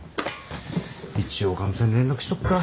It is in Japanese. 一応かみさんに連絡しとくか。